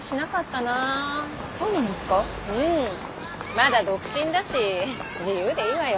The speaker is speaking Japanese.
まだ独身だし自由でいいわよ。